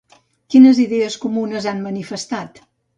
Quines idees comunes han manifestat?